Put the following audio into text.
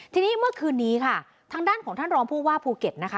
ทีนี้เมื่อคืนนี้ค่ะทางด้านของท่านรองผู้ว่าภูเก็ตนะคะ